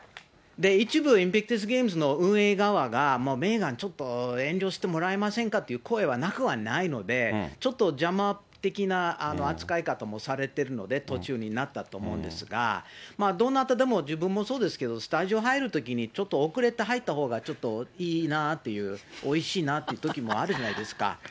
一部、インビクタス・ゲームの運営側が、メーガンちょっと遠慮してもらえませんかという声はなくはないので、ちょっと邪魔的な扱い方もされているので、途中になったと思うんですが、どなたでも、自分もそうですけど、スタジオ入るときに、ちょっと遅れて入ったほうがちょっといいなっていう、おいしいなっていうときもあるじゃないですか。